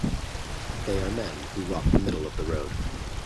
They are men who walk the middle of the road.